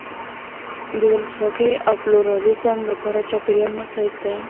د ولسواکۍ او پلورالېزم لپاره چاپېریال مساعد دی.